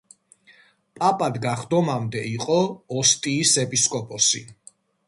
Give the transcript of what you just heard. პაპად გახდომამდე იყო ოსტიის ეპისკოპოსი.